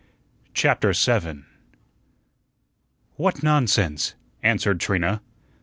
CHAPTER 7 "What nonsense!" answered Trina.